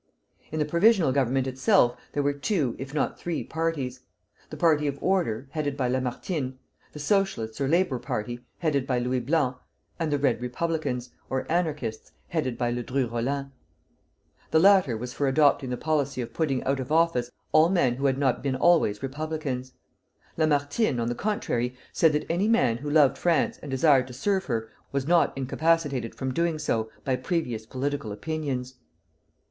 In the Provisional Government itself there were two, if not three, parties, the party of order, headed by Lamartine; the Socialists, or labor party, headed by Louis Blanc; and the Red Republicans, or Anarchists, headed by Ledru Rollin. The latter was for adopting the policy of putting out of office all men who had not been always republicans. Lamartine, on the contrary, said that any man who loved France and desired to serve her was not incapacitated from doing so by previous political opinions.